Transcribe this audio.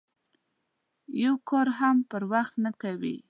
یو کار هم پر وخت نه کوي.